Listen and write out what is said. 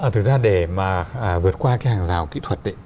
thực ra để vượt qua hàng rào kỹ thuật